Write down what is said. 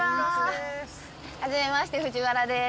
はじめまして、藤原です。